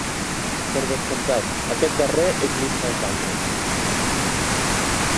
Per descomptat, aquest darrer eclipsa els altres.